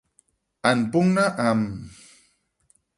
En pugna amb.